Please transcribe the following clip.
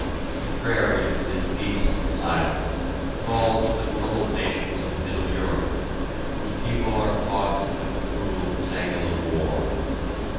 The prairie, with its peace and silence, calls to the troubled nations of Middle Europe, whose people are caught in the cruel tangle of war.